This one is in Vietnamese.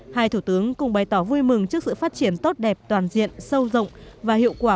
hai thủ tướng cùng bày tỏ vui mừng trước sự phát triển tốt đẹp toàn diện sâu rộng và hiệu quả